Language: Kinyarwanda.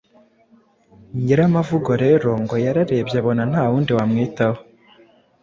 Nyiramavugo rero ngo yararebye abona nta wundi wamwitaho